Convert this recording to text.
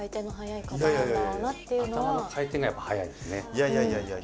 いやいやいやいや。